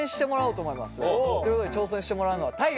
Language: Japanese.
ということで挑戦してもらうのは大我。